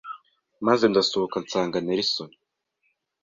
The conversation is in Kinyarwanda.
maze ndasohoka nsanga Nelson,